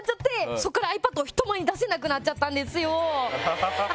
そこからｉＰａｄを人前に出せなくなっちゃったんですよ。